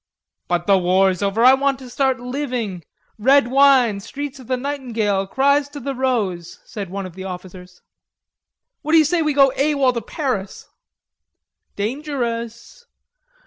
"But the war's over. I want to start living. Red wine, streets of the nightingale cries to the rose," said one of the officers. "What do you say we go A.W.O.L. to Paris?" "Dangerous."